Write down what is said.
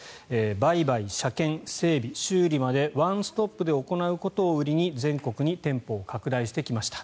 売買、車検、整備、修理までワンストップで行うことを売りに全国に店舗を拡大してきました。